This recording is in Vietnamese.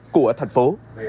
của thành phố